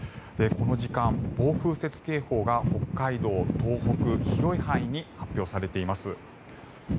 この時間、暴風雪警報が北海道、東北、広い範囲に発表されています。